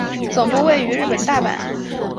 总部位于日本大阪。